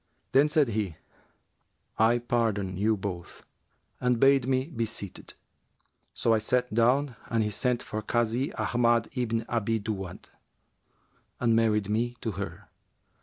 Then said he, 'I pardon you both,' and bade me be seated. So I sat down and he sent for the Kazi Ahmad ibn Abi Duwбd[FN#367] and married me to her.